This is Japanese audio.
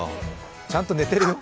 ちゃんと寝てる？